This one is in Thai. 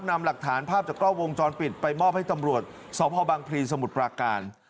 นำหลักฐานภาพจากกล้องวงจรปิดไปมอบให้ตำรวจสพบังพลีสมุทรปราการ